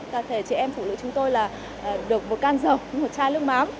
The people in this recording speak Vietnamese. tập thể chị em phụ nữ chúng tôi là được một can dầu một chai nước mắm